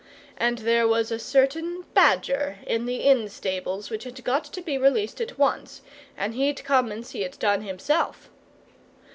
And there was a certain badger in the inn stables which had got to be released at once, and he'd come and see it done himself.